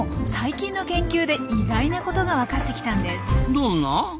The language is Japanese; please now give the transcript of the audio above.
どんな？